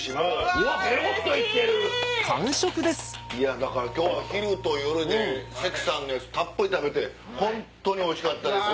だから今日昼と夜で関さんのやつたっぷり食べて本当においしかったです